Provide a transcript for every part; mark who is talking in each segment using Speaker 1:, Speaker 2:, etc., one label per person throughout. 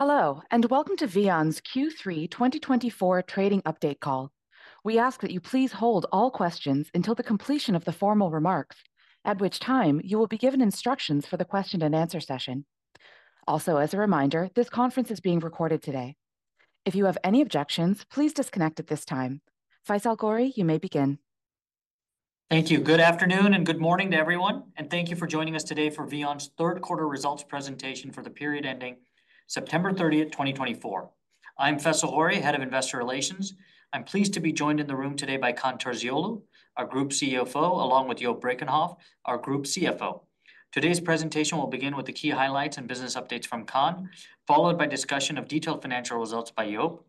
Speaker 1: Hello, and welcome to VEON's Q3 2024 trading update call. We ask that you please hold all questions until the completion of the formal remarks, at which time you will be given instructions for the question-and-answer session. Also, as a reminder, this conference is being recorded today. If you have any objections, please disconnect at this time. Faisal Ghori, you may begin.
Speaker 2: Thank you. Good afternoon and good morning to everyone, and thank you for joining us today for VEON's third quarter results presentation for the period ending September 30th, 2024. I'm Faisal Ghori, Head of Investor Relations. I'm pleased to be joined in the room today by Kaan Terzioğlu, our Group CEO, along with Joop Brakenhoff, our Group CFO. Today's presentation will begin with the key highlights and business updates from Kaan, followed by a discussion of detailed financial results by Joop.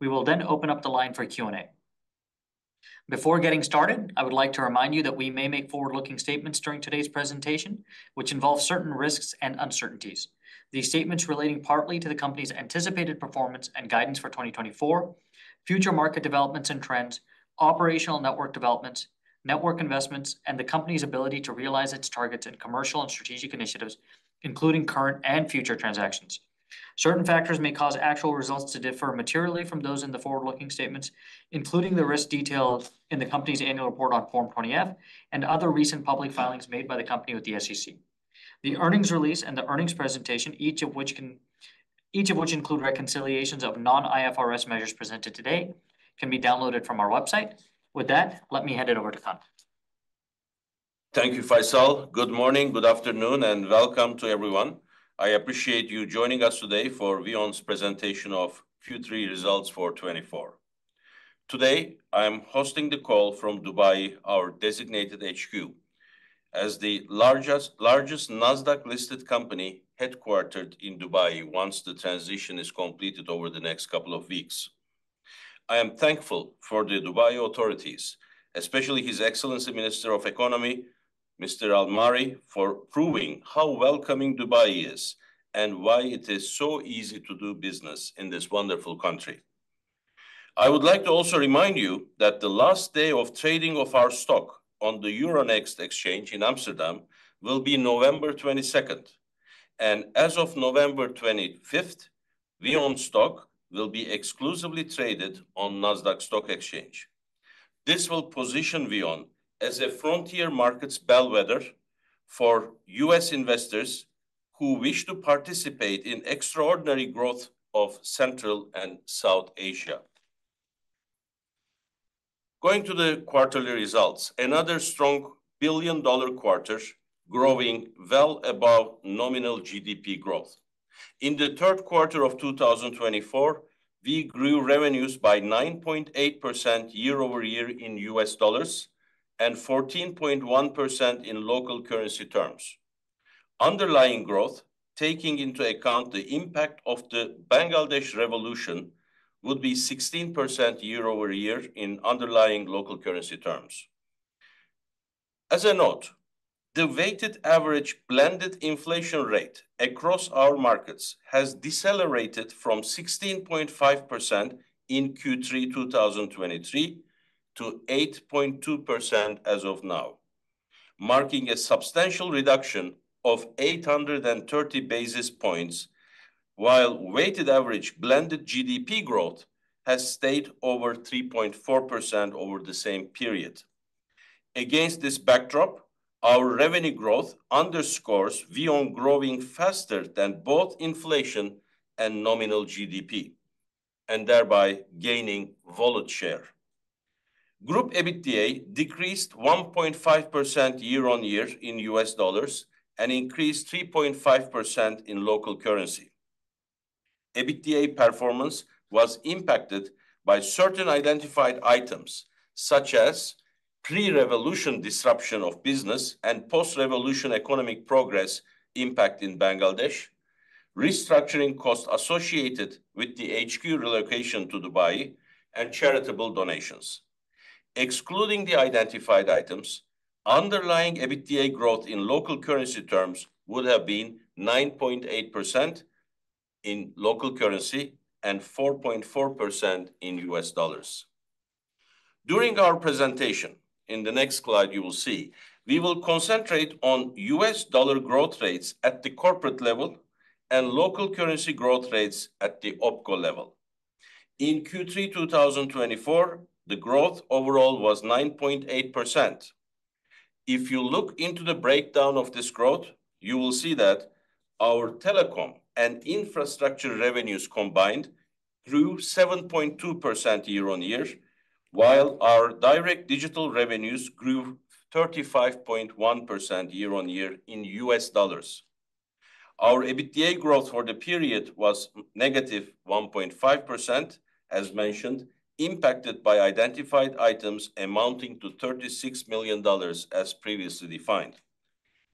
Speaker 2: We will then open up the line for Q&A. Before getting started, I would like to remind you that we may make forward-looking statements during today's presentation, which involve certain risks and uncertainties. These statements relate partly to the company's anticipated performance and guidance for 2024, future market developments and trends, operational network developments, network investments, and the company's ability to realize its targets and commercial and strategic initiatives, including current and future transactions. Certain factors may cause actual results to differ materially from those in the forward-looking statements, including the risks detailed in the company's annual report on Form 20-F and other recent public filings made by the company with the SEC. The earnings release and the earnings presentation, each of which include reconciliations of non-IFRS measures presented today, can be downloaded from our website. With that, let me hand it over to Kaan.
Speaker 3: Thank you, Faisal. Good morning, good afternoon, and welcome to everyone. I appreciate you joining us today for VEON's presentation of Q3 results for 2024. Today, I'm hosting the call from Dubai, our designated HQ, as the largest Nasdaq-listed company headquartered in Dubai once the transition is completed over the next couple of weeks. I am thankful for the Dubai authorities, especially his excellency, Minister of Economy, Mr. Al Marri, for proving how welcoming Dubai is and why it is so easy to do business in this wonderful country. I would like to also remind you that the last day of trading of our stock on the Euronext exchange in Amsterdam will be November 22, and as of November 25th, VEON stock will be exclusively traded on the Nasdaq Stock Exchange. This will position VEON as a frontier market's bellwether for U.S. Investors who wish to participate in the extraordinary growth of Central and South Asia. Going to the quarterly results, another strong billion-dollar quarter growing well above nominal GDP growth. In the third quarter of 2024, we grew revenues by 9.8% year-over-year in U.S. dollars and 14.1% in local currency terms. Underlying growth, taking into account the impact of the Bangladesh Revolution, would be 16% year-over-year in underlying local currency terms. As a note, the weighted average blended inflation rate across our markets has decelerated from 16.5% in Q3 2023 to 8.2% as of now, marking a substantial reduction of 830 basis points, while weighted average blended GDP growth has stayed over 3.4% over the same period. Against this backdrop, our revenue growth underscores VEON growing faster than both inflation and nominal GDP, and thereby gaining volatile share. Group EBITDA decreased 1.5% year-on-year in U.S. dollars and increased 3.5% in local currency. EBITDA performance was impacted by certain identified items such as pre-revolution disruption of business and post-revolution economic progress impact in Bangladesh, restructuring costs associated with the HQ relocation to Dubai, and charitable donations. Excluding the identified items, underlying EBITDA growth in local currency terms would have been 9.8% in local currency and 4.4% in U.S. dollars. During our presentation, in the next slide you will see, we will concentrate on U.S. dollar growth rates at the corporate level and local currency growth rates at the OPCO level. In Q3 2024, the growth overall was 9.8%. If you look into the breakdown of this growth, you will see that our telecom and infrastructure revenues combined grew 7.2% year-on-year, while our direct digital revenues grew 35.1% year-on-year in U.S. dollars. Our EBITDA growth for the period was negative 1.5%, as mentioned, impacted by identified items amounting to $36 million as previously defined.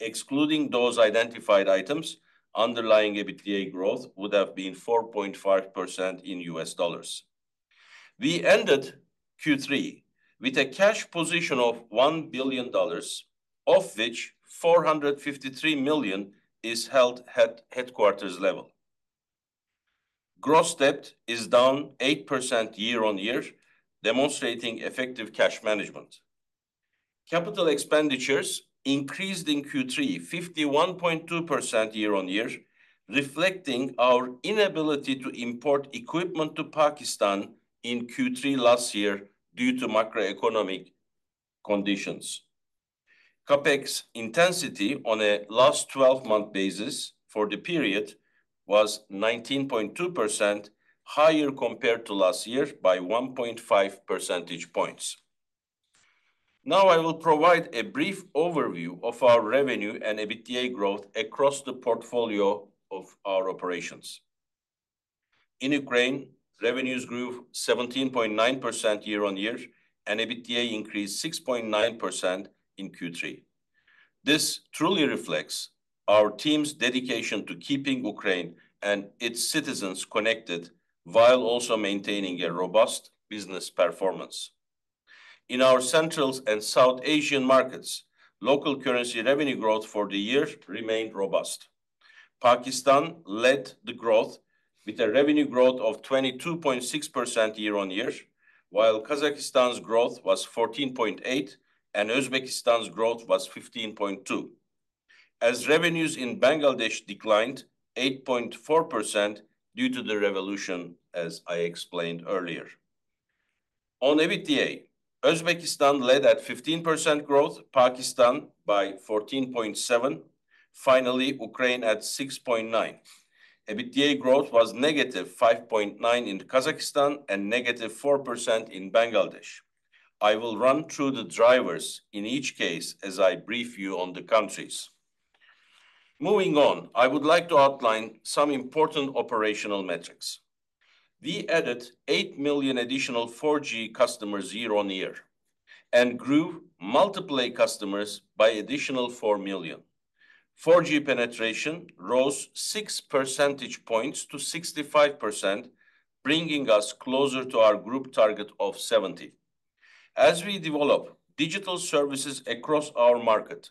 Speaker 3: Excluding those identified items, underlying EBITDA growth would have been 4.5% in U.S. dollars. We ended Q3 with a cash position of $1 billion, of which $453 million is held at headquarters level. Gross debt is down 8% year-on-year, demonstrating effective cash management. Capital expenditures increased in Q3 51.2% year-on-year, reflecting our inability to import equipment to Pakistan in Q3 last year due to macroeconomic conditions. CapEx intensity on a last 12-month basis for the period was 19.2%, higher compared to last year by 1.5 percentage points. Now, I will provide a brief overview of our revenue and EBITDA growth across the portfolio of our operations. In Ukraine, revenues grew 17.9% year-on-year, and EBITDA increased 6.9% in Q3. This truly reflects our team's dedication to keeping Ukraine and its citizens connected while also maintaining a robust business performance. In our Central and South Asian markets, local currency revenue growth for the year remained robust. Pakistan led the growth with a revenue growth of 22.6% year-on-year, while Kazakhstan's growth was 14.8%, and Uzbekistan's growth was 15.2%. As revenues in Bangladesh declined 8.4% due to the revolution, as I explained earlier. On EBITDA, Uzbekistan led at 15% growth, Pakistan by 14.7%, finally Ukraine at 6.9%. EBITDA growth was negative 5.9% in Kazakhstan and negative 4% in Bangladesh. I will run through the drivers in each case as I brief you on the countries. Moving on, I would like to outline some important operational metrics. We added 8 million additional 4G customers year-on-year and grew multiplay customers by additional 4 million. 4G penetration rose 6 percentage points to 65%, bringing us closer to our group target of 70%. As we develop digital services across our market,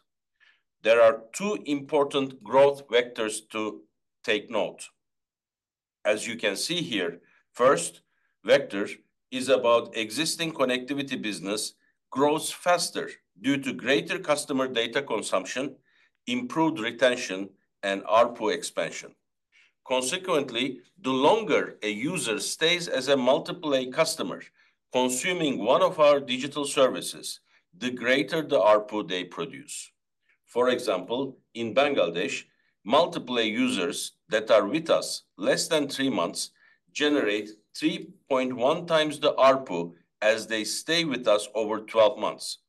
Speaker 3: there are two important growth vectors to take note. As you can see here, first vector is about existing connectivity business grows faster due to greater customer data consumption, improved retention, and ARPU expansion. Consequently, the longer a user stays as a multiplay customer consuming one of our digital services, the greater the ARPU they produce. For example, in Bangladesh, multiplay users that are with us less than three months generate 3.1 times the ARPU as they stay with us over 12 months.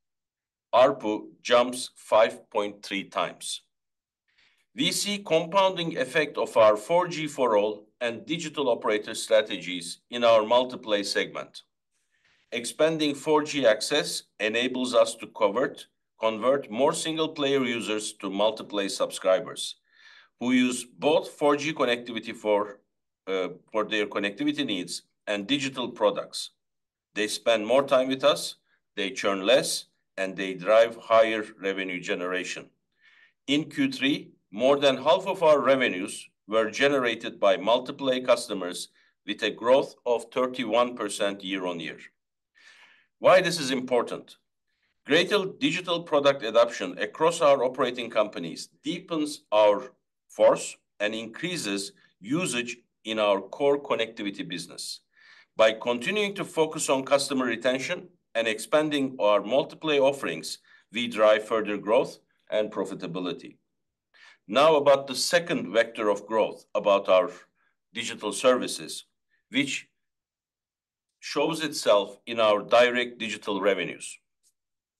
Speaker 3: ARPU jumps 5.3 times. We see a compounding effect of our 4G for all and digital operator strategies in our multiplay segment. Expanding 4G access enables us to convert more single-play users to multiplay subscribers who use both 4G connectivity for their connectivity needs and digital products. They spend more time with us, they churn less, and they drive higher revenue generation. In Q3, more than half of our revenues were generated by multiplay customers with a growth of 31% year-on-year. Why this is important? Greater digital product adoption across our operating companies deepens our footprint and increases usage in our core connectivity business. By continuing to focus on customer retention and expanding our multiplay offerings, we drive further growth and profitability. Now, about the second vector of growth about our digital services, which shows itself in our direct digital revenues.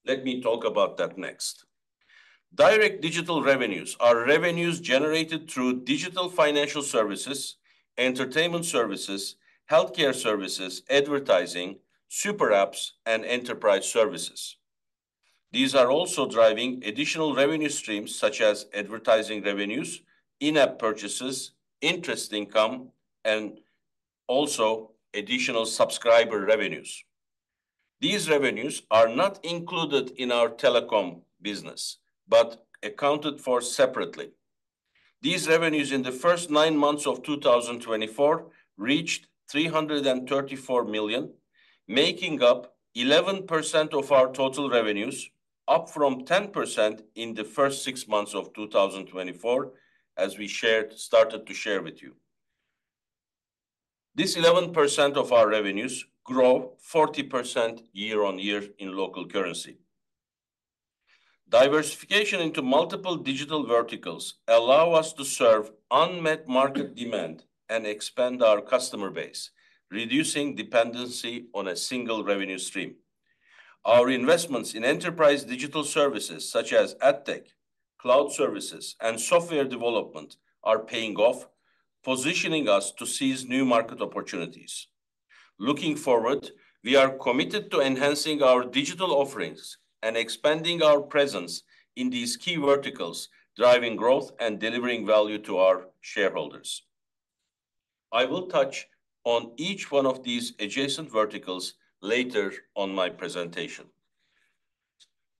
Speaker 3: Let me talk about that next. Direct digital revenues are revenues generated through digital financial services, entertainment services, healthcare services, advertising, super apps, and enterprise services. These are also driving additional revenue streams such as advertising revenues, in-app purchases, interest income, and also additional subscriber revenues. These revenues are not included in our telecom business but accounted for separately. These revenues in the first nine months of 2024 reached $334 million, making up 11% of our total revenues, up from 10% in the first six months of 2024, as we started to share with you. This 11% of our revenues grow 40% year-on-year in local currency. Diversification into multiple digital verticals allows us to serve unmet market demand and expand our customer base, reducing dependency on a single revenue stream. Our investments in enterprise digital services such as AdTech, cloud services, and software development are paying off, positioning us to seize new market opportunities. Looking forward, we are committed to enhancing our digital offerings and expanding our presence in these key verticals, driving growth and delivering value to our shareholders. I will touch on each one of these adjacent verticals later on my presentation.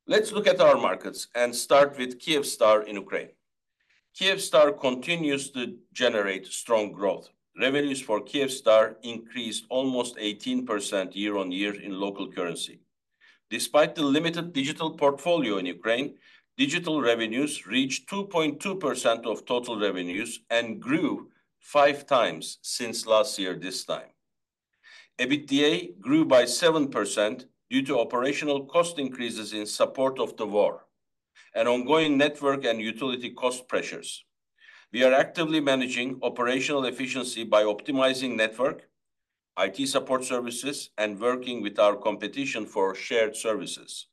Speaker 3: Let's look at our markets and start with Kyivstar in Ukraine. Kyivstar continues to generate strong growth. Revenues for Kyivstar increased almost 18% year-on-year in local currency. Despite the limited digital portfolio in Ukraine, digital revenues reached 2.2% of total revenues and grew five times since last year this time. EBITDA grew by 7% due to operational cost increases in support of the war and ongoing network and utility cost pressures. We are actively managing operational efficiency by optimizing network, IT support services, and working with our competition for shared services.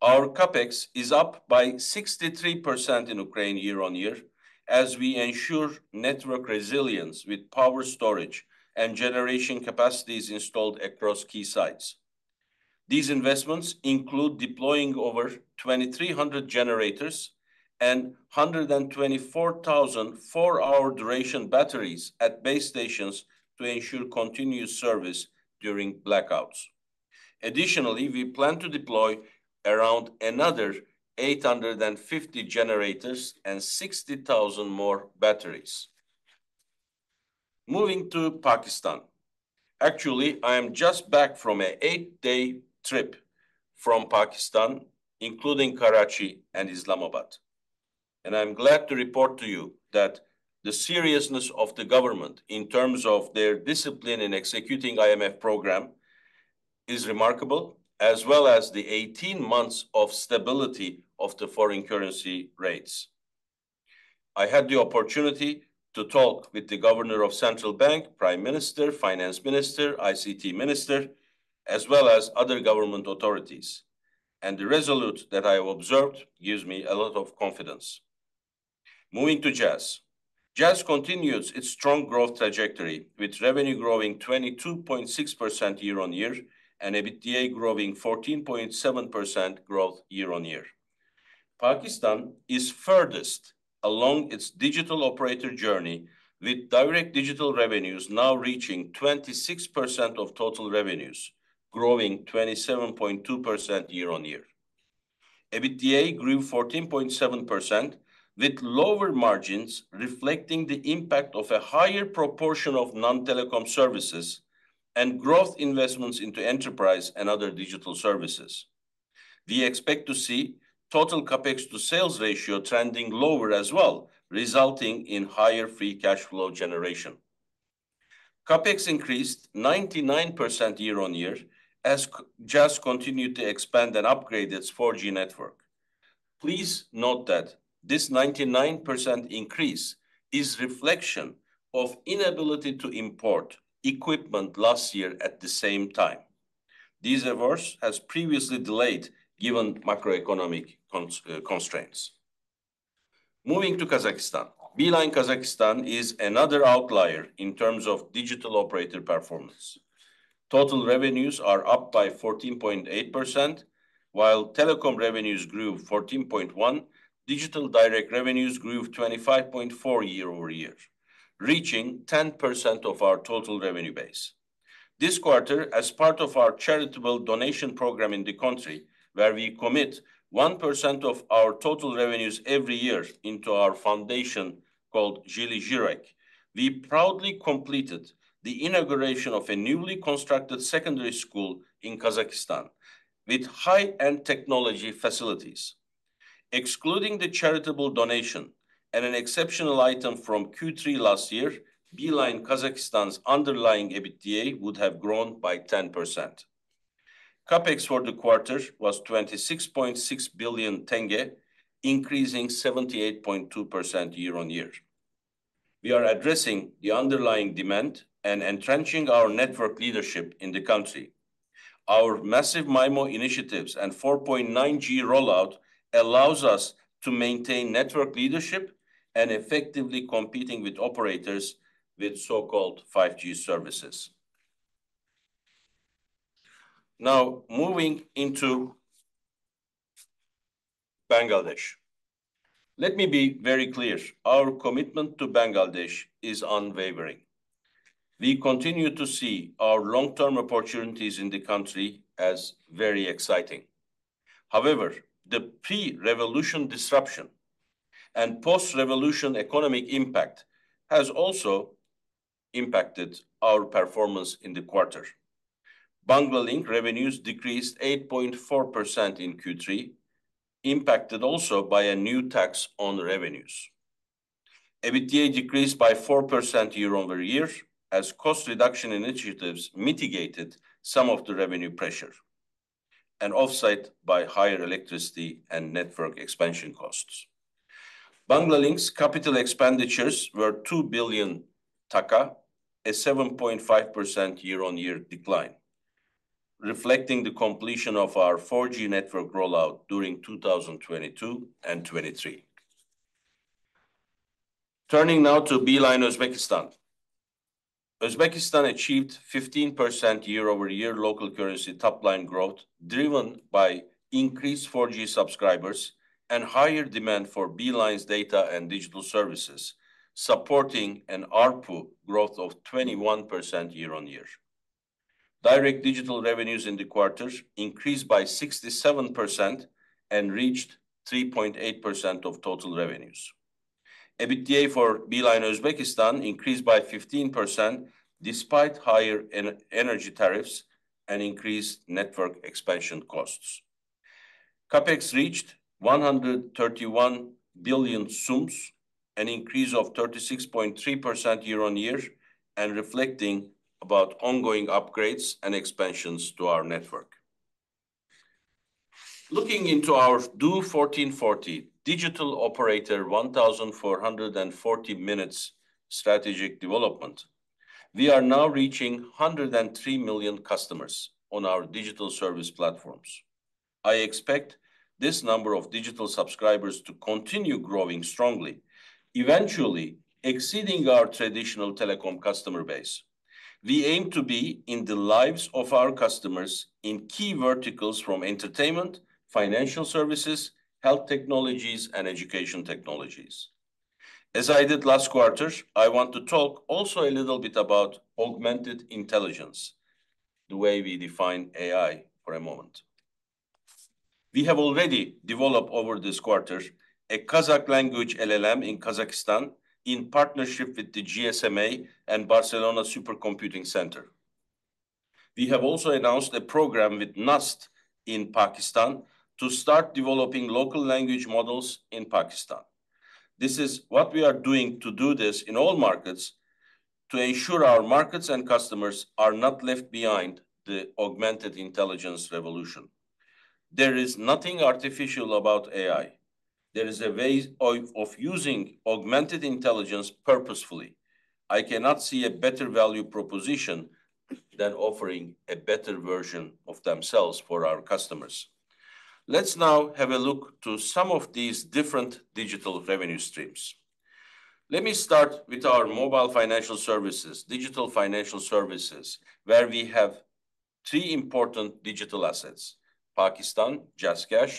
Speaker 3: Our CapEx is up by 63% in Ukraine year-on-year as we ensure network resilience with power storage and generation capacities installed across key sites. These investments include deploying over 2,300 generators and 124,000 4-hour duration batteries at base stations to ensure continuous service during blackouts. Additionally, we plan to deploy around another 850 generators and 60,000 more batteries. Moving to Pakistan. Actually, I am just back from an eight-day trip from Pakistan, including Karachi and Islamabad, and I'm glad to report to you that the seriousness of the government in terms of their discipline in executing the IMF program is remarkable, as well as the 18 months of stability of the foreign currency rates. I had the opportunity to talk with the Governor of Central Bank, Prime Minister, Finance Minister, ICT Minister, as well as other government authorities. The resilience that I have observed gives me a lot of confidence. Moving to Jazz. Jazz continues its strong growth trajectory with revenue growing 22.6% year-on-year and EBITDA growing 14.7% growth year-on-year. Pakistan is furthest along its digital operator journey with direct digital revenues now reaching 26% of total revenues, growing 27.2% year-on-year. EBITDA grew 14.7% with lower margins reflecting the impact of a higher proportion of non-telecom services and growth investments into enterprise and other digital services. We expect to see total CapEx to sales ratio trending lower as well, resulting in higher free cash flow generation. CapEx increased 99% year-on-year as Jazz continued to expand and upgrade its 4G network. Please note that this 99% increase is a reflection of the inability to import equipment last year at the same time. This reversal has previously delayed given macroeconomic constraints. Moving to Kazakhstan. Beeline Kazakhstan is another outlier in terms of digital operator performance. Total revenues are up by 14.8%, while telecom revenues grew 14.1%. Digital direct revenues grew 25.4% year-over-year, reaching 10% of our total revenue base. This quarter, as part of our charitable donation program in the country, where we commit 1% of our total revenues every year into our foundation called Zhyly Zhurek, we proudly completed the inauguration of a newly constructed secondary school in Kazakhstan with high-end technology facilities. Excluding the charitable donation and an exceptional item from Q3 last year, Beeline Kazakhstan's underlying EBITDA would have grown by 10%. CapEx for the quarter was KZT 26.6 billion, increasing 78.2% year-on-year. We are addressing the underlying demand and entrenching our network leadership in the country. Our massive MIMO initiatives and 4.9G rollout allow us to maintain network leadership and effectively compete with operators with so-called 5G services. Now, moving into Bangladesh. Let me be very clear. Our commitment to Bangladesh is unwavering. We continue to see our long-term opportunities in the country as very exciting. However, the pre-revolution disruption and post-revolution economic impact have also impacted our performance in the quarter. Banglalink revenues decreased 8.4% in Q3, impacted also by a new tax on revenues. EBITDA decreased by 4% year-over-year as cost reduction initiatives mitigated some of the revenue pressure and offset by higher electricity and network expansion costs. Banglalink's capital expenditures were BDT 2 billion, a 7.5% year-on-year decline, reflecting the completion of our 4G network rollout during 2022 and 2023. Turning now to Beeline Uzbekistan. Uzbekistan achieved 15% year-over-year local currency top-line growth driven by increased 4G subscribers and higher demand for Beeline's data and digital services, supporting an ARPU growth of 21% year-over-year. Direct digital revenues in the quarter increased by 67% and reached 3.8% of total revenues. EBITDA for Beeline Uzbekistan increased by 15% despite higher energy tariffs and increased network expansion costs. CapEx reached UZS 131 billion, an increase of 36.3% year-on-year and reflecting ongoing upgrades and expansions to our network. Looking into our DO 1440, we are now reaching 103 million customers on our digital service platforms. I expect this number of digital subscribers to continue growing strongly, eventually exceeding our traditional telecom customer base. We aim to be in the lives of our customers in key verticals from entertainment, financial services, health technologies, and education technologies. As I did last quarter, I want to talk also a little bit about augmented intelligence, the way we define AI for a moment. We have already developed over this quarter a Kazakh language LLM in Kazakhstan in partnership with the GSMA and Barcelona Supercomputing Center. We have also announced a program with NUST in Pakistan to start developing local language models in Pakistan. This is what we are doing to do this in all markets to ensure our markets and customers are not left behind the augmented intelligence revolution. There is nothing artificial about AI. There is a way of using augmented intelligence purposefully. I cannot see a better value proposition than offering a better version of themselves for our customers. Let's now have a look at some of these different digital revenue streams. Let me start with our mobile financial services, digital financial services, where we have three important digital assets: Pakistan, JazzCash,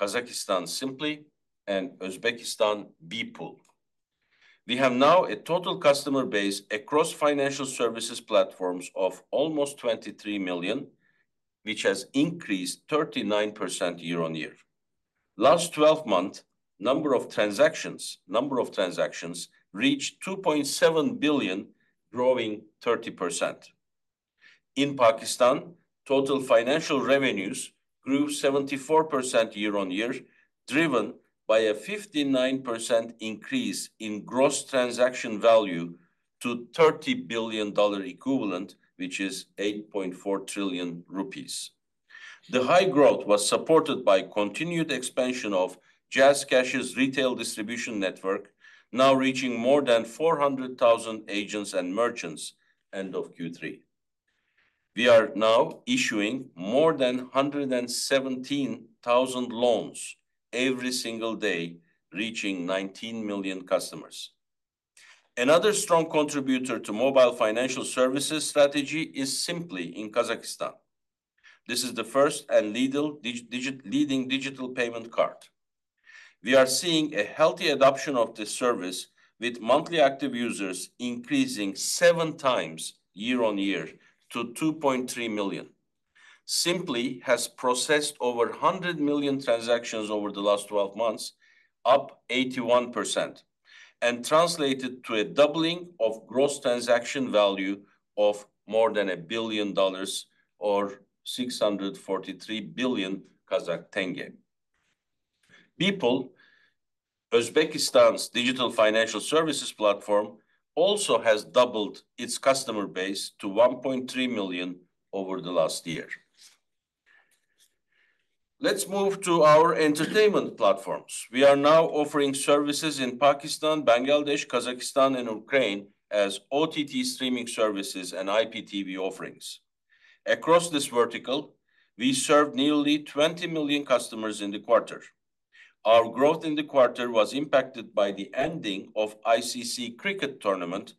Speaker 3: Kazakhstan, Simply, and Uzbekistan, Beepul. We have now a total customer base across financial services platforms of almost 23 million, which has increased 39% year-on-year. Last 12 months, number of transactions reached 2.7 billion, growing 30%. In Pakistan, total financial revenues grew 74% year-on-year, driven by a 59% increase in gross transaction value to $30 billion equivalent, which is PKR 8.4 trillion. The high growth was supported by continued expansion of JazzCash's retail distribution network, now reaching more than 400,000 agents and merchants end of Q3. We are now issuing more than 117,000 loans every single day, reaching 19 million customers. Another strong contributor to mobile financial services strategy is Simply in Kazakhstan. This is the first and leading digital payment card. We are seeing a healthy adoption of this service with monthly active users increasing seven times year-on-year to 2.3 million. Simply has processed over 100 million transactions over the last 12 months, up 81%, and translated to a doubling of gross transaction value of more than $1 billion or KZT 643 billion. Beepul, Uzbekistan's digital financial services platform, also has doubled its customer base to 1.3 million over the last year. Let's move to our entertainment platforms. We are now offering services in Pakistan, Bangladesh, Kazakhstan, and Ukraine as OTT streaming services and IPTV offerings. Across this vertical, we served nearly 20 million customers in the quarter. Our growth in the quarter was impacted by the ending of the ICC cricket tournament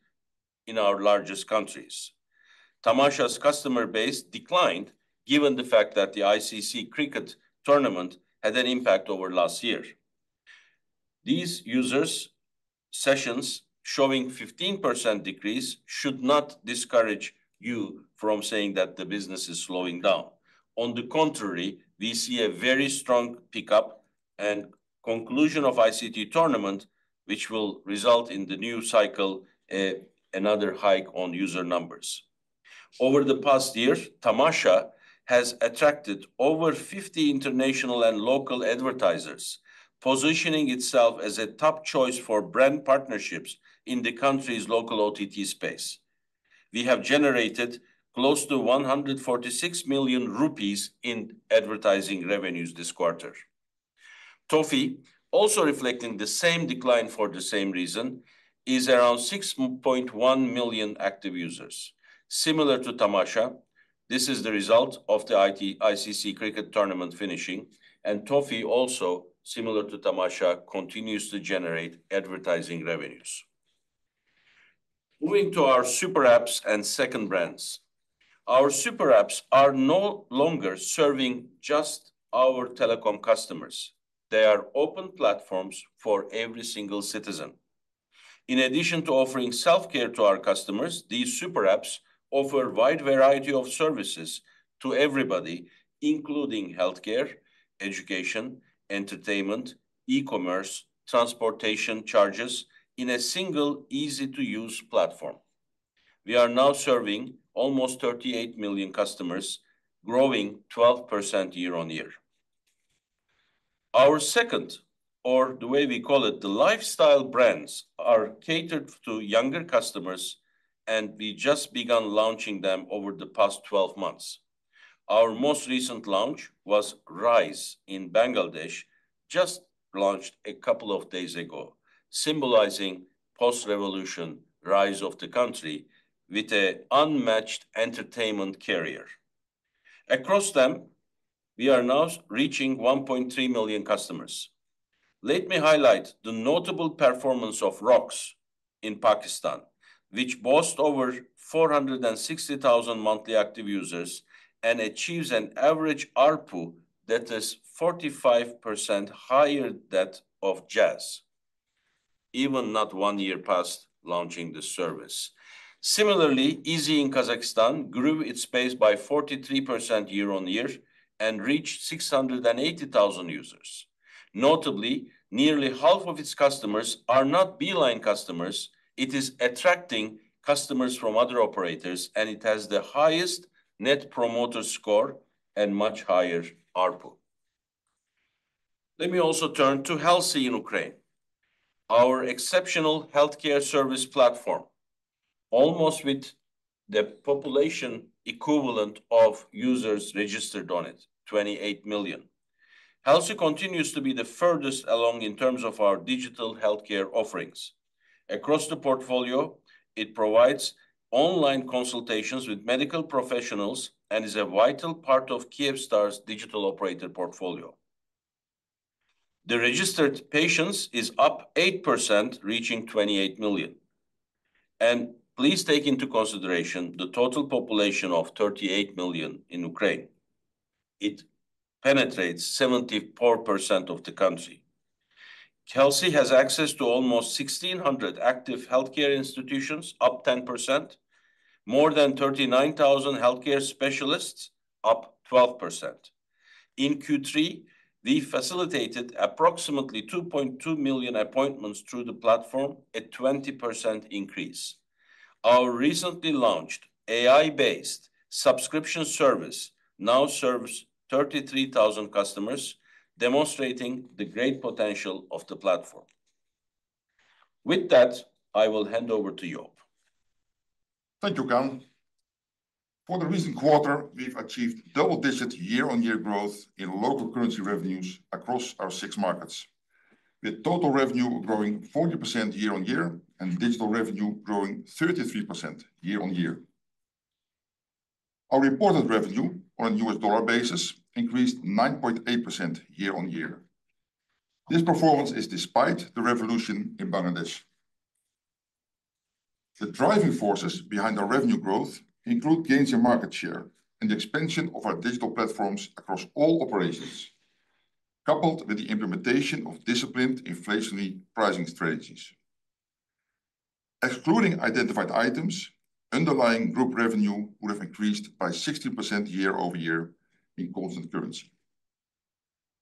Speaker 3: in our largest countries. Tamasha's customer base declined given the fact that the ICC cricket tournament had an impact over last year. These users' sessions showing a 15% decrease should not discourage you from saying that the business is slowing down. On the contrary, we see a very strong pickup and conclusion of the ICC tournament, which will result in the new cycle, another hike in user numbers. Over the past year, Tamasha has attracted over 50 international and local advertisers, positioning itself as a top choice for brand partnerships in the country's local OTT space. We have generated close to PKR 146 million in advertising revenues this quarter. Toffee, also reflecting the same decline for the same reason, is around 6.1 million active users. Similar to Tamasha, this is the result of the ICC cricket tournament finishing, and Toffee also, similar to Tamasha, continues to generate advertising revenues. Moving to our super apps and second brands. Our super apps are no longer serving just our telecom customers. They are open platforms for every single citizen. In addition to offering self-care to our customers, these super apps offer a wide variety of services to everybody, including healthcare, education, entertainment, e-commerce, transportation charges in a single, easy-to-use platform. We are now serving almost 38 million customers, growing 12% year-on-year. Our second, or the way we call it, the lifestyle brands are catered to younger customers, and we just began launching them over the past 12 months. Our most recent launch was Ryze in Bangladesh, just launched a couple of days ago, symbolizing post-revolution rise of the country with an unmatched entertainment carrier. Across them, we are now reaching 1.3 million customers. Let me highlight the notable performance of ROX in Pakistan, which boasts over 460,000 monthly active users and achieves an average ARPU that is 45% higher than JAS, even not one year past launching the service. Similarly, IZI in Kazakhstan grew its base by 43% year-on-year and reached 680,000 users. Notably, nearly half of its customers are not Beeline customers. It is attracting customers from other operators, and it has the highest net promoter score and much higher ARPU. Let me also turn to Helsi in Ukraine, our exceptional healthcare service platform, almost with the population equivalent of users registered on it, 28 million. Helsi continues to be the furthest along in terms of our digital healthcare offerings. Across the portfolio, it provides online consultations with medical professionals and is a vital part of Kyivstar's digital operator portfolio. The registered patients are up 8%, reaching 28 million. And please take into consideration the total population of 38 million in Ukraine. It penetrates 74% of the country. Helsi has access to almost 1,600 active healthcare institutions, up 10%, more than 39,000 healthcare specialists, up 12%. In Q3, we facilitated approximately 2.2 million appointments through the platform, a 20% increase. Our recently launched AI-based subscription service now serves 33,000 customers, demonstrating the great potential of the platform. With that, I will hand over to Joop.
Speaker 4: Thank you, Kaan. For the recent quarter, we've achieved double-digit year-on-year growth in local currency revenues across our six markets, with total revenue growing 40% year-on-year and digital revenue growing 33% year-on-year. Our reported revenue on a U.S. dollar basis increased 9.8% year-on-year. This performance is despite the revolution in Bangladesh. The driving forces behind our revenue growth include gains in market share and the expansion of our digital platforms across all operations, coupled with the implementation of disciplined inflationary pricing strategies. Excluding identified items, underlying group revenue would have increased by 16% year-over-year in constant currency.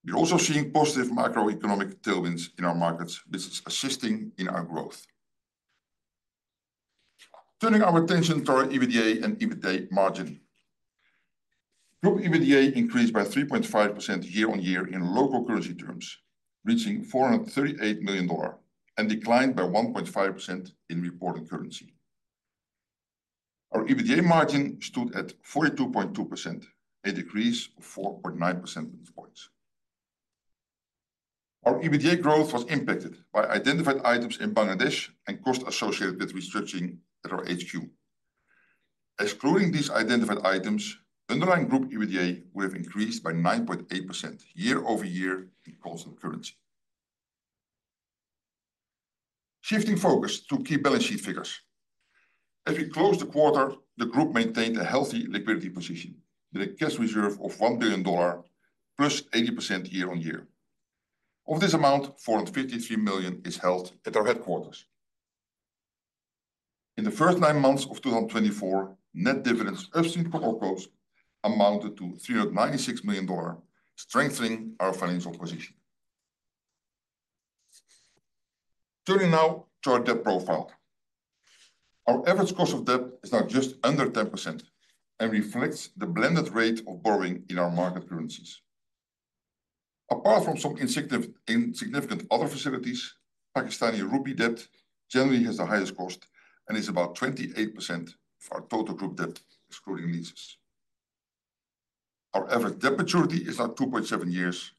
Speaker 4: We're also seeing positive macroeconomic tailwinds in our markets, which is assisting in our growth. Turning our attention to our EBITDA and EBITDA margin. Group EBITDA increased by 3.5% year-on-year in local currency terms, reaching $438 million, and declined by 1.5% in reported currency. Our EBITDA margin stood at 42.2%, a decrease of 4.9 percentage points. Our EBITDA growth was impacted by identified items in Bangladesh and costs associated with researching at our HQ. Excluding these identified items, underlying group EBITDA would have increased by 9.8% year-over-year in constant currency. Shifting focus to key balance sheet figures. As we closed the quarter, the group maintained a healthy liquidity position with a cash reserve of $1 billion, up 80% year-on-year. Of this amount, $453 million is held at our headquarters. In the first nine months of 2024, net dividends upstream from opcos amounted to $396 million, strengthening our financial position. Turning now to our debt profile. Our average cost of debt is now just under 10% and reflects the blended rate of borrowing in our market currencies. Apart from some insignificant other facilities, Pakistani rupee debt generally has the highest cost and is about 28% of our total group debt, excluding leases. Our average debt maturity is now 2.7 years,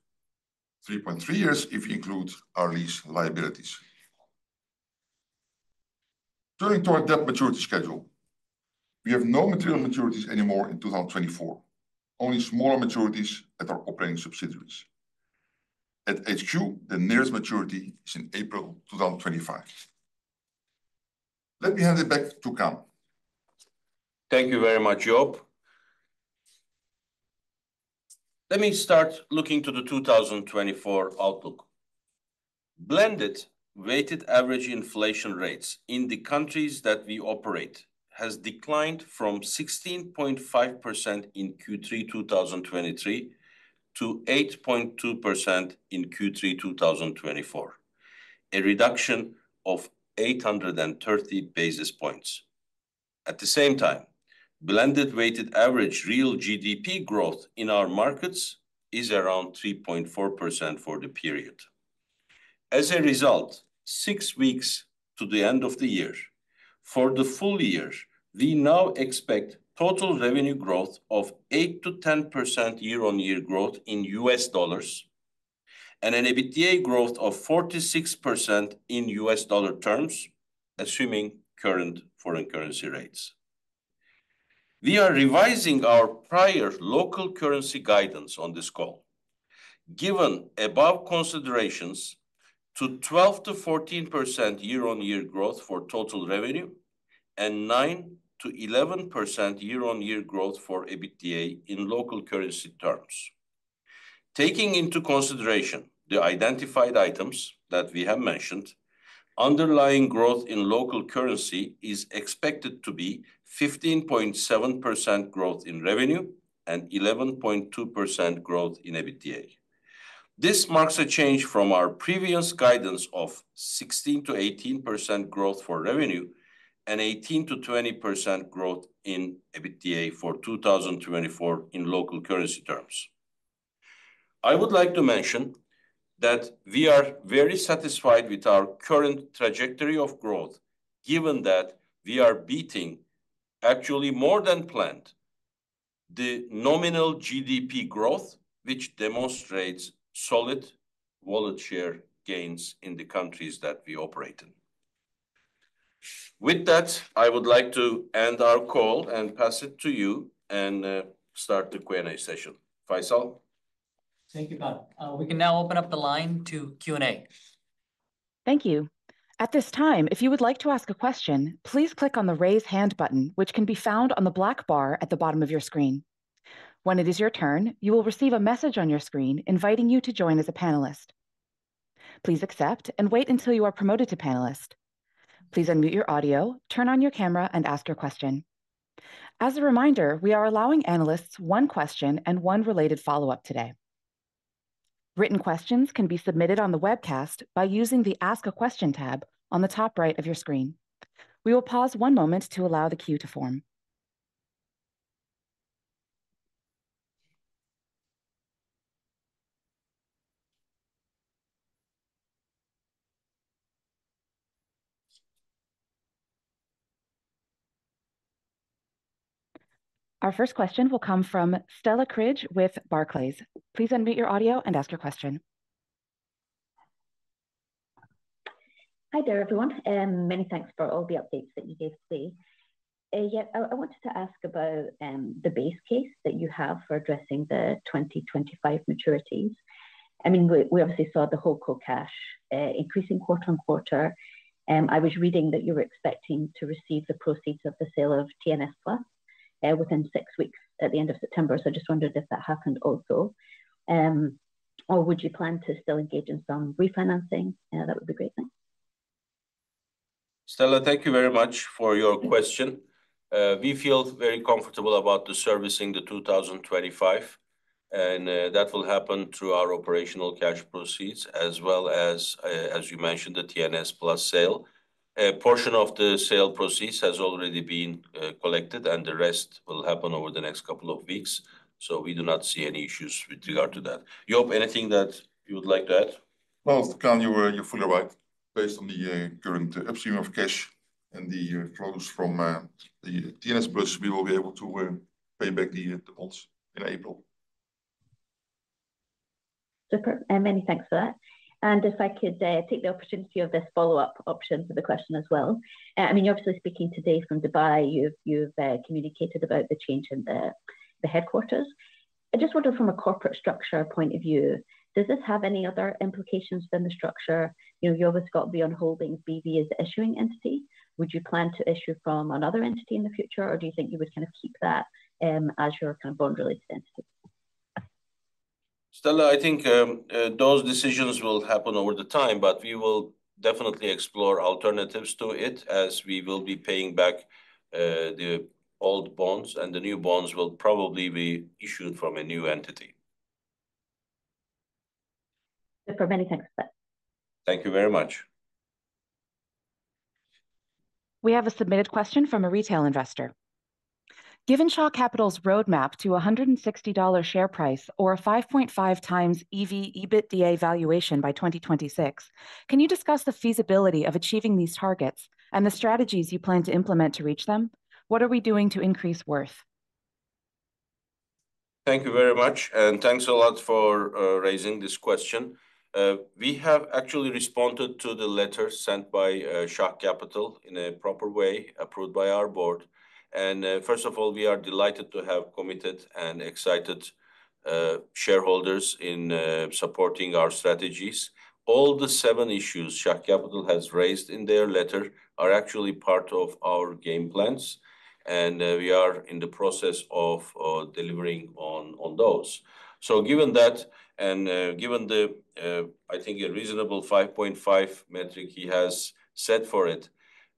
Speaker 4: 3.3 years if we include our lease liabilities. Turning to our debt maturity schedule, we have no material maturities anymore in 2024, only smaller maturities at our operating subsidiaries. At HQ, the nearest maturity is in April 2025. Let me hand it back to Kaan.
Speaker 3: Thank you very much, Joop. Let me start looking to the 2024 outlook. Blended weighted average inflation rates in the countries that we operate have declined from 16.5% in Q3 2023 to 8.2% in Q3 2024, a reduction of 830 basis points. At the same time, blended weighted average real GDP growth in our markets is around 3.4% for the period. As a result, six weeks to the end of the year, for the full year, we now expect total revenue growth of 8%-10% year-on-year growth in U.S. dollars and an EBITDA growth of 46% in U.S. dollar terms, assuming current foreign currency rates. We are revising our prior local currency guidance on this call, given above considerations to 12%-14% year-on-year growth for total revenue and 9%-11% year-on-year growth for EBITDA in local currency terms. Taking into consideration the identified items that we have mentioned, underlying growth in local currency is expected to be 15.7% growth in revenue and 11.2% growth in EBITDA. This marks a change from our previous guidance of 16%-18% growth for revenue and 18%-20% growth in EBITDA for 2024 in local currency terms. I would like to mention that we are very satisfied with our current trajectory of growth, given that we are beating, actually more than planned, the nominal GDP growth, which demonstrates solid wallet share gains in the countries that we operate in. With that, I would like to end our call and pass it to you and start the Q&A session. Faisal?
Speaker 2: Thank you, Kaan. We can now open up the line to Q&A.
Speaker 1: Thank you. At this time, if you would like to ask a question, please click on the Raise Hand button, which can be found on the black bar at the bottom of your screen. When it is your turn, you will receive a message on your screen inviting you to join as a panelist. Please accept and wait until you are promoted to panelist. Please unmute your audio, turn on your camera, and ask your question. As a reminder, we are allowing analysts one question and one related follow-up today. Written questions can be submitted on the webcast by using the Ask a Question tab on the top right of your screen. We will pause one moment to allow the queue to form. Our first question will come from Stella Cridge with Barclays. Please unmute your audio and ask your question.
Speaker 5: Hi there, everyone, and many thanks for all the updates that you gave today. Yet, I wanted to ask about the base case that you have for addressing the 2025 maturities? I mean, we obviously saw the whole core cash increasing quarter on quarter. I was reading that you were expecting to receive the proceeds of the sale of TNS+ within six weeks at the end of September, so I just wondered if that happened also. Or would you plan to still engage in some refinancing? That would be great, thanks.
Speaker 3: Stella, thank you very much for your question. We feel very comfortable about servicing the 2025, and that will happen through our operational cash proceeds, as well as, as you mentioned, the TNS+ sale. A portion of the sale proceeds has already been collected, and the rest will happen over the next couple of weeks, so we do not see any issues with regard to that. Joop, anything that you would like to add?
Speaker 4: Well, Kaan, you're fully right. Based on the current upstream of cash and the flows from the TNS+, we will be able to pay back the defaults in April.
Speaker 5: Super, and many thanks for that. And if I could take the opportunity of this follow-up option for the question as well. I mean, you're obviously speaking today from Dubai. You've communicated about the change in the headquarters. I just wonder from a corporate structure point of view, does this have any other implications within the structure? You know, you've always got the VEON Holding BV as the issuing entity. Would you plan to issue from another entity in the future, or do you think you would kind of keep that as your kind of bond-related entity?
Speaker 3: Stella, I think those decisions will happen over time, but we will definitely explore alternatives to it as we will be paying back the old bonds, and the new bonds will probably be issued from a new entity. Super, many thanks for that. Thank you very much.
Speaker 1: We have a submitted question from a retail investor. Given Shah Capital's roadmap to a $160 share price or a 5.5 times EV EBITDA valuation by 2026, can you discuss the feasibility of achieving these targets and the strategies you plan to implement to reach them? What are we doing to increase worth?
Speaker 3: Thank you very much, and thanks a lot for raising this question. We have actually responded to the letter sent by Shah Capital in a proper way, approved by our board. And first of all, we are delighted to have committed and excited shareholders in supporting our strategies. All the seven issues Shah Capital has raised in their letter are actually part of our game plans, and we are in the process of delivering on those. So given that, and given the, I think, a reasonable 5.5 metric he has set for it,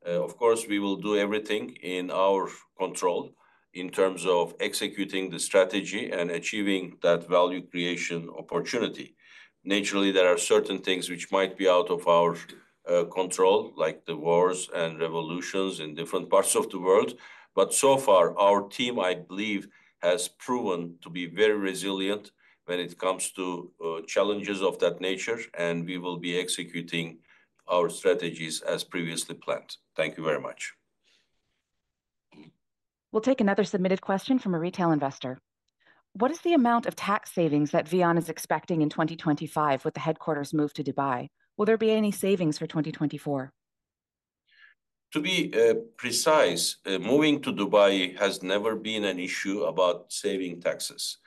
Speaker 3: of course, we will do everything in our control in terms of executing the strategy and achieving that value creation opportunity. Naturally, there are certain things which might be out of our control, like the wars and revolutions in different parts of the world. But so far, our team, I believe, has proven to be very resilient when it comes to challenges of that nature, and we will be executing our strategies as previously planned. Thank you very much.
Speaker 1: We'll take another submitted question from a retail investor. What is the amount of tax savings that VEON is expecting in 2025 with the headquarters moved to Dubai? Will there be any savings for 2024?
Speaker 3: To be precise, moving to Dubai has never been an issue about saving taxes.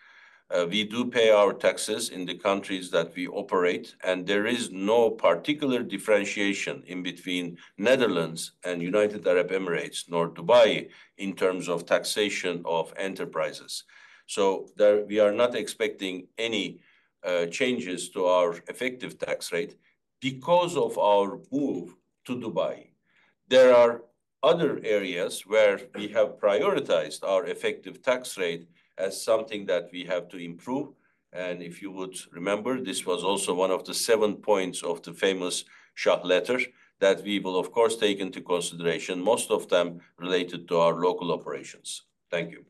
Speaker 3: We do pay our taxes in the countries that we operate, and there is no particular differentiation in between the Netherlands and the United Arab Emirates, nor Dubai, in terms of taxation of enterprises. So we are not expecting any changes to our effective tax rate because of our move to Dubai. There are other areas where we have prioritized our effective tax rate as something that we have to improve, and if you would remember, this was also one of the seven points of the famous Shah letter that we will, of course, take into consideration, most of them related to our local operations. Thank you.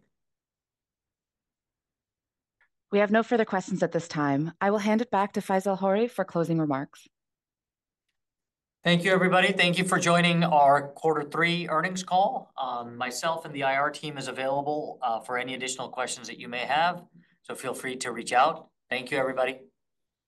Speaker 1: We have no further questions at this time. I will hand it back to Faisal Ghori for closing remarks.
Speaker 2: Thank you, everybody. Thank you for joining our Quarter Three earnings call. Myself and the IR team are available for any additional questions that you may have, so feel free to reach out. Thank you, everybody.